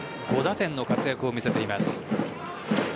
１０安打５打点の活躍を見せています。